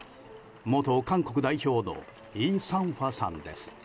元韓国代表のイ・サンファさんです。